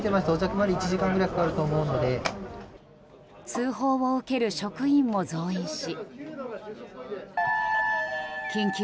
通報を受ける職員も増員し。